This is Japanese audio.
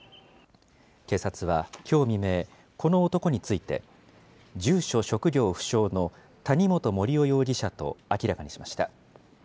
警察は、きょう未明、この男について、住所職業不詳の谷本盛雄容疑者と明らかにしました。